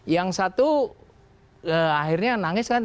yang satu akhirnya nangis kan